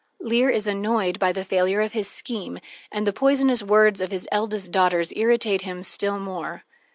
Leir is annoyed by the failure of his scheme, and the poisonous words of his eldest daughters irritate him still more.